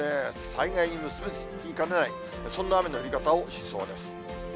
災害に結び付きかねない、そんな雨の降り方をしそうです。